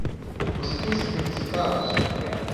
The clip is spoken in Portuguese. Você tem cinquenta centavos?